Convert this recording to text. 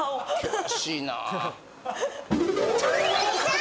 険しいな。